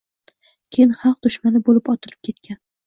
Keyin xalq dushmani bo‘lib otilib ketgan.